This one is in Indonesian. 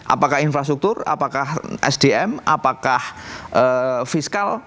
apakah infrastruktur apakah sdm apakah fiskal